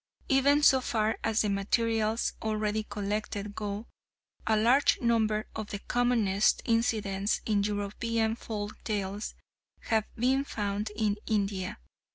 Even so far as the materials already collected go, a large number of the commonest incidents in European folk tales have been found in India.